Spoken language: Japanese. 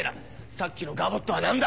さっきの『ガボット』は何だ！